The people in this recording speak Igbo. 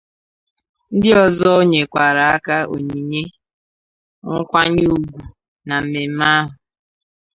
ndị ọzọ e nyèkwàrà onyinye nkwanyeugwu na mmemme ahụ